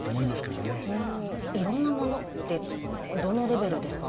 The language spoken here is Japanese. いろんなものってどのレベルですか？